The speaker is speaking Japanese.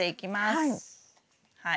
はい。